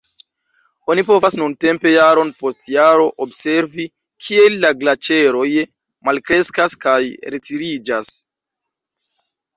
Oni povas nuntempe jaron post jaro observi, kiel la glaĉeroj malkreskas kaj retiriĝas.